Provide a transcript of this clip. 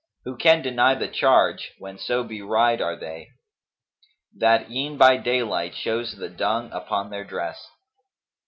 Who can deny the charge, when so bewrayed are they * That e'en by day light shows the dung upon their dress?